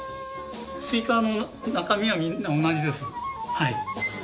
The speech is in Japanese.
スピーカーの中身はみんな同じです。